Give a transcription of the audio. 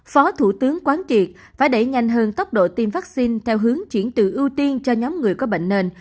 phó thủ tướng quán kiệt phải đẩy nhanh hơn tốc độ tiêm vaccine theo hướng chuyển từ ưu tiên cho nhóm người có bệnh nền